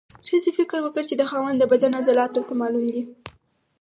ښځې فکر وکړ چې د خاوند د بدن عضلات راته معلوم دي.